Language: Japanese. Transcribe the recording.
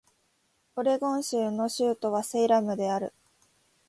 オレゴン州の州都はセイラムである